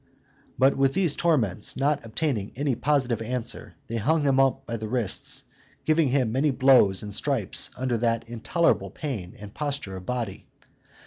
But with these torments not obtaining any positive answer, they hung him up by the wrists, giving him many blows and stripes under that intolerable pain and posture of body.